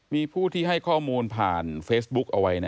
มีผู้ที่ให้ข้อมูลผ่านเฟซบุ๊กเอาไว้นะ